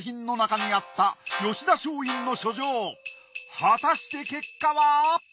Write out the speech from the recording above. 果たして結果は！？